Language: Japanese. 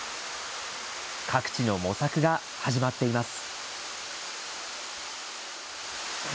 各地の模索が始まっています。